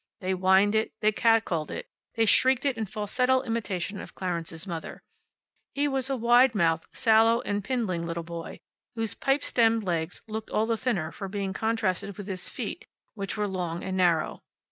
They whined it, they catcalled it, they shrieked it in falsetto imitation of Clarence's mother. He was a wide mouthed, sallow and pindling little boy, whose pipe stemmed legs looked all the thinner for being contrasted with his feet, which were long and narrow.